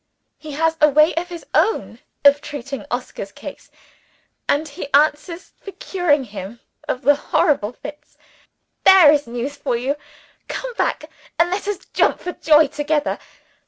He has a way of his own of treating Oscar's case; and he answers for curing him of the horrible fits. There is news for you! Come back, and let us jump for joy together.